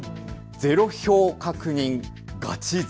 ゼロ票確認ガチ勢。